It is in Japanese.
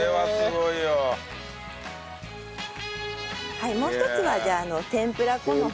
はいもう一つはじゃあ天ぷら粉の方。